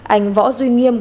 anh võ duy nghiêm